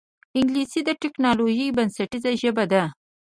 انګلیسي د ټکنالوجۍ بنسټیزه ژبه ده